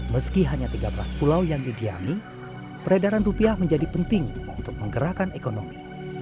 meski hanya tiga belas pulau yang didiami peredaran rupiah menjadi penting untuk menggerakkan ekonomi